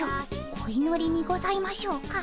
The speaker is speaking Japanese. お祈りにございましょうか？